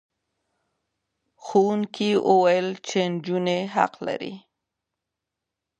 ښوونکي وویل چې نجونې حق لري.